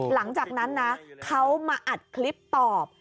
หลังจากนั้นนะเขามาอัดคลิปตอบ